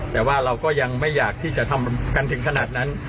แต่ว่าเราก็ยังไม่อยากที่จะทำกันถึงขนาดนั้น